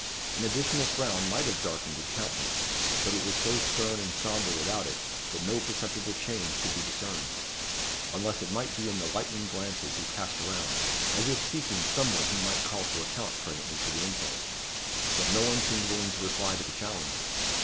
An additional frown might have darkened his countenance; but it was so stern and sombre, without it, that no perceptible change could be discerned; unless it might be in the lightning glances he cast around, as if seeking some one he might call to account presently for the insult. But no one seemed willing to reply to the challenge.